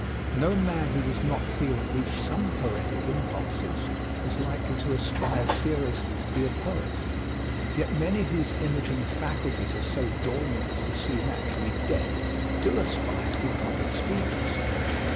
No man who does not feel at least some poetic impulses is likely to aspire seriously to be a poet, yet many whose imaging faculties are so dormant as to seem actually dead do aspire to be public speakers.